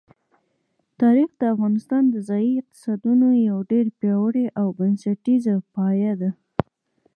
تاریخ د افغانستان د ځایي اقتصادونو یو ډېر پیاوړی او بنسټیز پایایه دی.